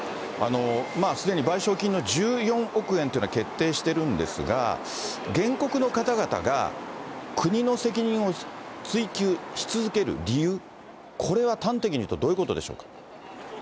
すでに賠償金の１４億円というのは決定しているんですが、原告の方々が国の責任を追及し続ける理由、これは端的に言うと、どういうことでしょうか。